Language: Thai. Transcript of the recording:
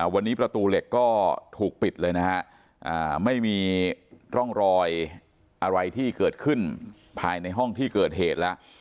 วันนี้ประตูเหล็กก็ถูกปิดเลยนะฮะไม่มีร่องรอยอะไรที่เกิดขึ้นภายในห้องที่เกิดเหตุแล้ว